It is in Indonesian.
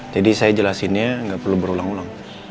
jadi saya jelasinnya gak perlu berulang ulang